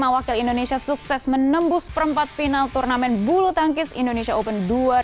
lima wakil indonesia sukses menembus perempat final turnamen bulu tangkis indonesia open dua ribu dua puluh